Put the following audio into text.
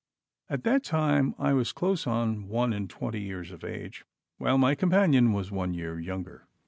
At that time I was close on one and twenty years of age, while my companion was one year younger.